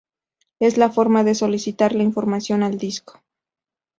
Es la forma de solicitar la información al disco.